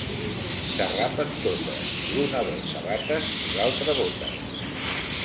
S’arrapen totes, l'una vol sabates i l’altra botes.